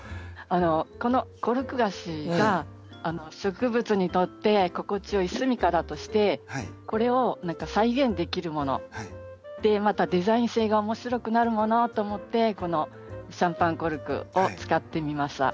このコルクガシが植物にとって心地よい住みかだとしてこれを再現できるものでまたデザイン性が面白くなるものと思ってこのシャンパンコルクを使ってみました。